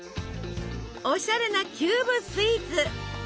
おしゃれなキューブスイーツ！